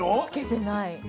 つけてない。